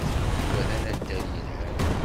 Yuba d anaddal yelhan.